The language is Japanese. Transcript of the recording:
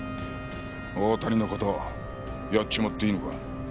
大谷の事やっちまっていいのか？